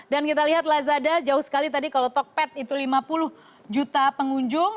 dan kita lihat lazada jauh sekali tadi kalau tokped itu lima puluh juta pengunjung